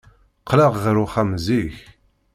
Qqleɣ ɣer uxxam zik.